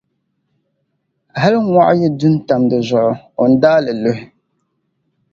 hali ŋɔɣu yi du n-tam di zuɣu, o ni daai li luhi!